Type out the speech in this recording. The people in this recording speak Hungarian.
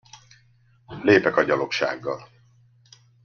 Lépek a gyalogsággal.